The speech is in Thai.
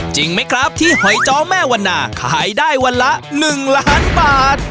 จริงไหมครับที่หอยจ้อแม่วันนาขายได้วันละ๑ล้านบาท